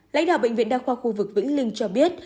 lãnh đạo bệnh viện đa khoa khu vực vĩnh linh cho biết